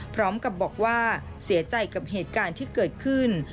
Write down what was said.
พร้อมกับบอกว่าเสียใจกับเหตุการณ์ที่เกิดขึ้น